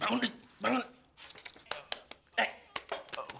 bangun dik bangun